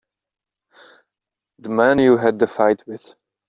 The man you had the fight with.